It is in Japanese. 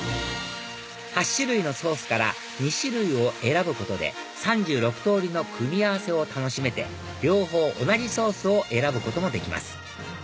８種類のソースから２種類を選ぶことで３６通りの組み合わせを楽しめて両方同じソースを選ぶこともできます